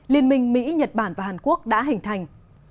liên minh mỹ nhật bản và hàn quốc đã hình thành